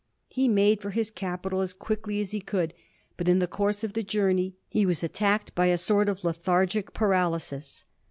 He made for his capital as quickly as he could, but in the course of the journey he was attacked by a sort of lethargic paralysis.